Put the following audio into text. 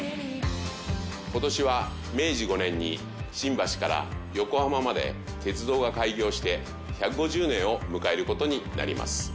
今年は明治５年に新橋から横浜まで鉄道が開業して１５０年を迎える事になります。